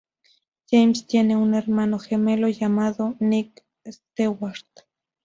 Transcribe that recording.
James tiene un hermano gemelo llamado Nick Stewart.